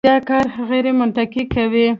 دوی دا کار غیرمنطقي کوي.